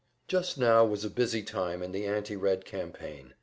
Just now was a busy time in the anti Red campaign.